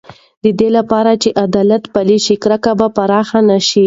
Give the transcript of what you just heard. د دې لپاره چې عدالت پلی شي، کرکه به پراخه نه شي.